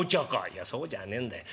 「いやそうじゃねんだい。